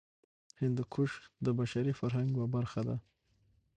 هندوکش د بشري فرهنګ یوه برخه ده.